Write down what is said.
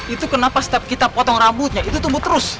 itu kenapa step kita potong rambutnya itu tumbuh terus